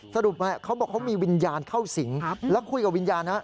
สรุปเขาบอกเขามีวิญญาณเข้าสิงแล้วคุยกับวิญญาณฮะ